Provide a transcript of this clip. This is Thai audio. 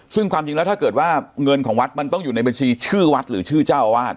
ซึ่งความจริงแล้วถ้าเกิดว่าเงินของวัดมันต้องอยู่ในบัญชีชื่อวัดหรือชื่อเจ้าอาวาส